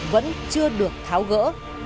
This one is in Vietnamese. vẫn chưa được tháo gỡ